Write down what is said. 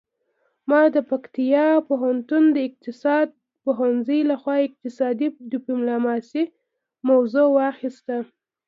ما د پکتیا پوهنتون د اقتصاد پوهنځي لخوا اقتصادي ډیپلوماسي موضوع واخیسته